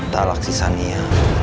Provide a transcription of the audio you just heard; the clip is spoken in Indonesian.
talak si sania